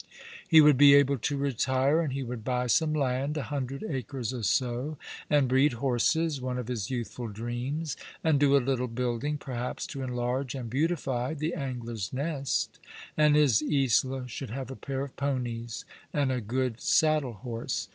He would be able to retire,'and he would buy some land— a hundred acres or so— and breed horses — one of his youthful dreams — and do a little building, perhaps, to enlarge and beautify the Angler's Nest, and his Isola should have a pair of ponies and a good saddle horse.